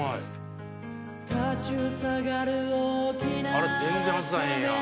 あら全然外さへんやん。